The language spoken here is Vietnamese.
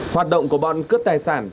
hoạt động của bọn cướp tài sản